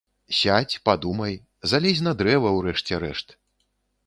Сядзь, падумай, залезь на дрэва ў рэшце рэшт.